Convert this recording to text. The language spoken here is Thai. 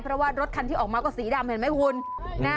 เพราะว่ารถคันที่ออกมาก็สีดำเห็นไหมคุณ